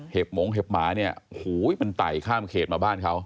หมงเห็บหมาเนี่ยโอ้โหมันไต่ข้ามเขตมาบ้านเขา